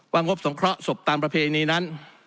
ว่างบสงเคราะห์สบตามประเภนนี้นั้น